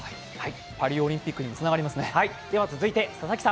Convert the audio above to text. パリオリンピックにも続きますね。